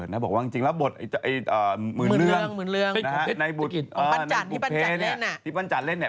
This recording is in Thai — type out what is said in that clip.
แล้วก็เหมือนกันเลย